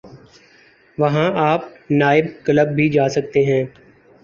وہاں آپ night club بھی جا سکتے ہیں۔